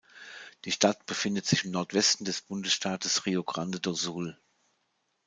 Die Stadt befindet sich im Nordwesten des Bundesstaates Rio Grande do Sul.